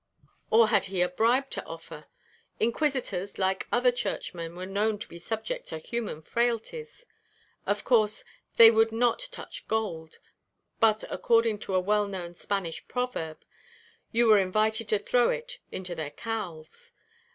Or had he a bribe to offer? Inquisitors, like other Churchmen, were known to be subject to human frailties; of course they would not touch gold, but, according to a well known Spanish proverb, you were invited to throw it into their cowls.